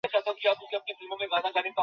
মানিয়া, একটা মোমবাতি এনে দাও না।